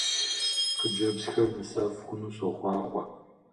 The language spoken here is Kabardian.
Хъыджэбзхэр нысэфӀ хъуну сохъуахъуэ!